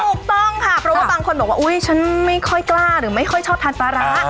ถูกต้องค่ะเพราะว่าบางคนบอกว่าอุ๊ยฉันไม่ค่อยกล้าหรือไม่ค่อยชอบทานปลาร้า